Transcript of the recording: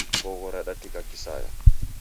Mbogho radatika kisaya